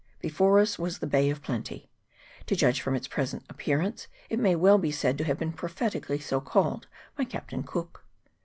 Before us was the Bay of Plenty : to judge from its present appearance, it may well be said to have been prophetically so called by Captain Cook.